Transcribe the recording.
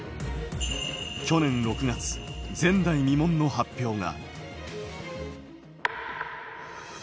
去年６月、前代未聞の発表が。